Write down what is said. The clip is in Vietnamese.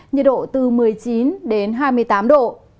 nhiệt độ từ một mươi chín đến hai mươi tám độ